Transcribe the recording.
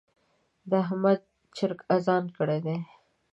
د احمد چرګ اذان کړی دی.